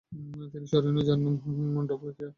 তিনি স্মরণীয়, যার নাম দেওয়া হয় ডপলার ক্রিয়া।